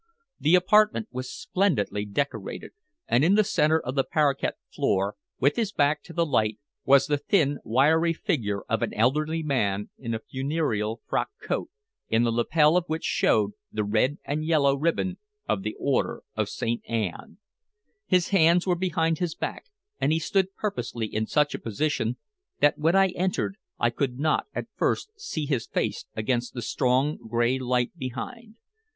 The apartment was splendidly decorated, and in the center of the parquet floor, with his back to the light, was the thin, wiry figure of an elderly man in a funereal frock coat, in the lapel of which showed the red and yellow ribbon of the Order of Saint Anne. His hands were behind his back, and he stood purposely in such a position that when I entered I could not at first see his face against the strong, gray light behind.